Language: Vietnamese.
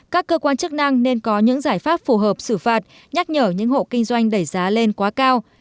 các cơ quan chức năng nên có những giải pháp phù hợp xử phạt nhắc nhở những hộ kinh doanh đẩy giá lên quá cao